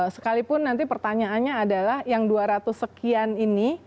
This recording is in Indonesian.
sekalipun nanti pertanyaannya adalah yang dua ratus sekian ini